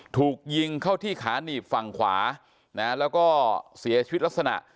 ถูกยิงเข้าที่ขาหนีบฝั่งขวานะแล้วก็เสียชีวิตลักษณะ